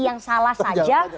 yang salah saja